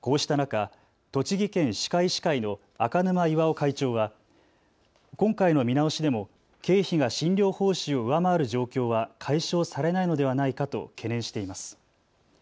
こうした中、栃木県歯科医師会の赤沼岩男会長は今回の見直しでも経費が診療報酬を上回る状況は解消されないのではないかと懸念しています。